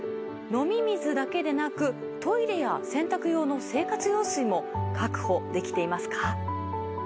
飲み水だけでなくトイレや洗濯用の生活用水も確保できていますか？